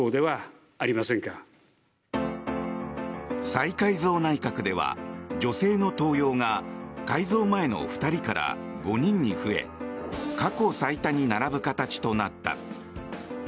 再改造内閣では女性の登用が改造前の２人から５人に増え過去最多に並ぶ形となった。